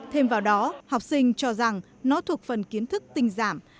thêm vào đó học sinh cho rằng nó thuộc phần kiến thức tinh giảm